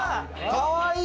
かわいい。